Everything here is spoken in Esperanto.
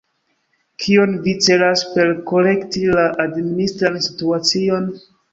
Kion vi celas per ”korekti la administran situacion”?